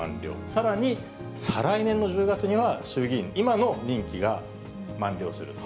さらに再来年の１０月には、衆議院、今の任期が満了する。